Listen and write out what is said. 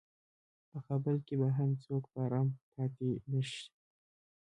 په کابل کې به هم څوک په ارام پاتې نشي.